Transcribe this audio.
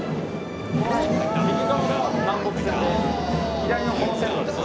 右側が南北線で左のこの線路ですよ。